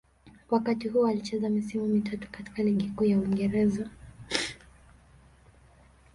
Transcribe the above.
Wakati huu alicheza misimu mitatu katika Ligi Kuu ya Uingereza.